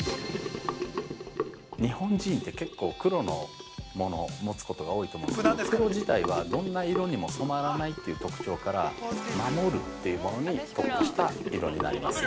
◆日本人って結構黒のものを持つことが多いと思うんですけど黒自体は、どんな色にも染まらないという特徴から守るっていうものに特化した色になります。